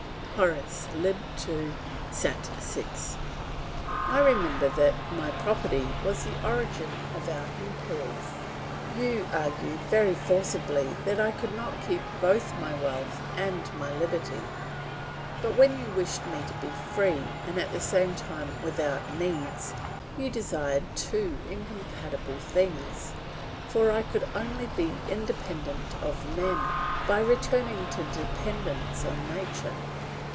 Horace, lib. ii., sat. vi. "I remember that my property was the origin of our inquiries. You argued very forcibly that I could not keep both my wealth and my liberty; but when you wished me to be free and at the same time without needs, you desired two incompatible things, for I could only be independent of men by returning to dependence on nature.